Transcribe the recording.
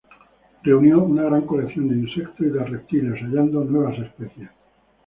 Reunió una gran colección de insectos y de reptiles, hallando nuevas especies.